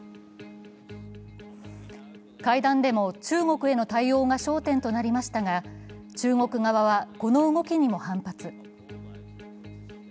会談でも中国への対応が焦点となりましたが中国側はこの動きにも反発。